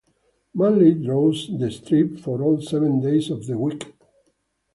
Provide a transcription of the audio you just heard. Manley draws the strip for all seven days of the week.